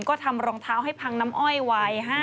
ก็ทำรองเท้าให้พังน้ำอ้อยวัย